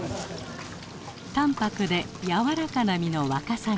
淡泊でやわらかな身のワカサギ。